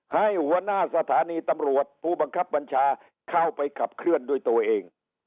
ให้หัวหน้าสถานีตำรวจผู้บังคับบัญชาเข้าไปขับเคลื่อนด้วยตัวเอง